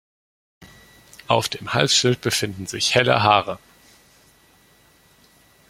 Auf dem Halsschild befinden sich helle Haare.